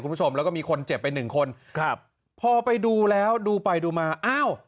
คุณผู้ชมแล้วก็มีคนเจ็บไปหนึ่งคนครับพอไปดูแล้วดูไปดูมาอ้าว